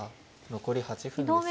残り８分です。